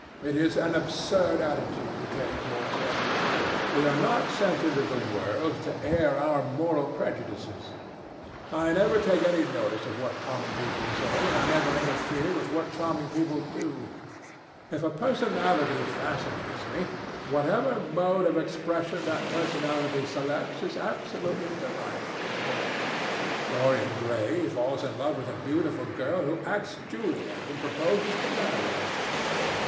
It is an absurd attitude to take towards life. We are not sent into the world to air our moral prejudices. I never take any notice of what common people say, and I never interfere with what charming people do. If a personality fascinates me, whatever mode of expression that personality selects is absolutely delightful to me. Dorian Gray falls in love with a beautiful girl who acts Juliet, and proposes to marry her.